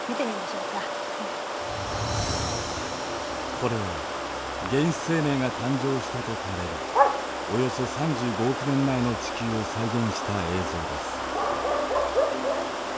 これは原始生命が誕生したとされるおよそ３５億年前の地球を再現した映像です。